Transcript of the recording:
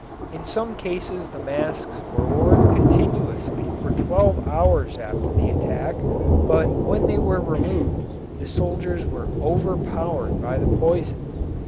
In some cases the masks were worn continuously for twelve hours after the attack, but when they were removed the soldiers were overpowered by the poison.